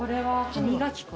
歯磨き粉。